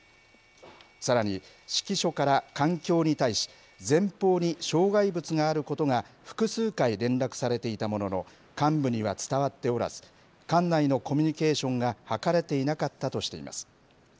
さらに、指揮所から艦橋に対し、前方に障害物があることが複数回、連絡されていたものの、幹部には伝わっておらず、艦内のコミュニケーションが図れていなかったとしています。